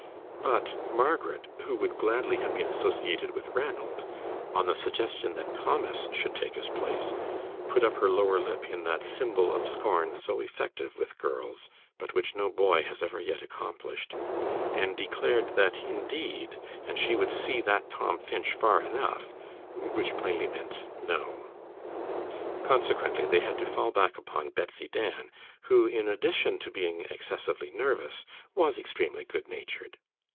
But Margaret, who would gladly have been associated with Ranald, on the suggestion that Thomas should take his place, put up her lower lip in that symbol of scorn so effective with girls, but which no boy has ever yet accomplished, and declared that indeed, and she would see that Tom Finch far enough, which plainly meant "no." Consequently they had to fall back upon Betsy Dan, who, in addition to being excessively nervous, was extremely good natured.